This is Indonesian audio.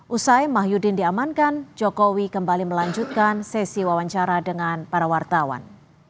usai mah yudin diamankan jokowi kembali melanjutkan sesi wawancara dengan para wartawan